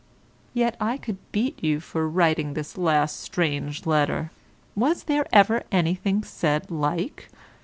Yet I could beat you for writing this last strange letter; was there ever anything said like?